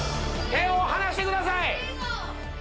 手を離してください。